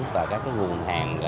và các cái nguồn hàng